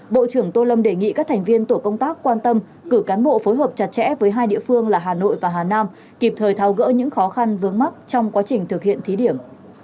bộ trưởng tô lâm đề nghị các thành viên tổ công tác quan tâm cử cán bộ phối hợp chặt chẽ với hai địa phương là hà nội và hà nam kịp thời thao gỡ những khó khăn vướng mắt trong quá trình thực hiện thí điểm